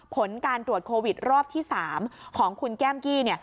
ผลการตรวจโควิดรอบที่๓ของคุณแก้มกี้